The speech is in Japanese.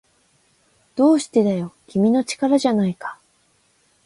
どうしてだよ、君の力じゃないか